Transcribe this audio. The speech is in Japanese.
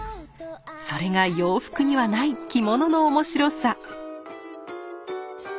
それが洋服にはない着物の面白さ。